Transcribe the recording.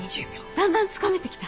だんだんつかめてきた。